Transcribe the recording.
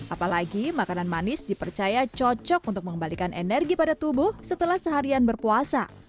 apalagi makanan manis dipercaya cocok untuk mengembalikan energi pada tubuh setelah seharian berpuasa